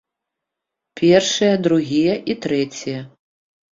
Першыя, другія і трэція.